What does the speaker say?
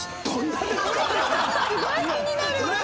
すごい気になる！